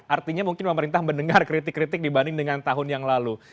artinya mungkin pemerintah mendengar kritik kritik dibanding dengan tahun yang lalu